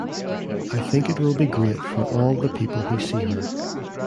I think it will be great for all the people who see her.